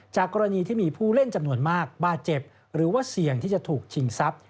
กรณีที่มีผู้เล่นจำนวนมากบาดเจ็บหรือว่าเสี่ยงที่จะถูกชิงทรัพย์